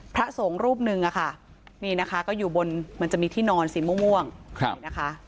พระสงฆ์รูปหนึ่งอะค่ะนี่นะคะก็อยู่บนมันจะมีที่นอนสีม่วงนี่นะคะ